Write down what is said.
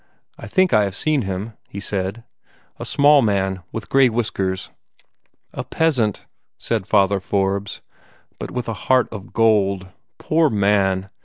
"I think I have seen him," he said. "A small man, with gray whiskers." "A peasant," said Father Forbes, "but with a heart of gold. Poor man!